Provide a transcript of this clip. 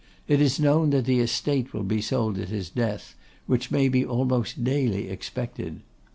It is known that the estate will be sold at his death, which may be almost daily expected.